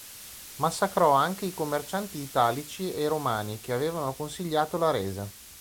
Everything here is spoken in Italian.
Massacrò anche i commercianti italici e romani che avevano consigliato la resa.